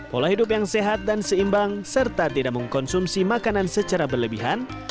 pola hidup yang sehat dan seimbang serta tidak mengkonsumsi makanan secara berlebihan